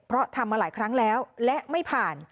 เพราะทำมาหลายครั้งแล้วและไม่ผ่าน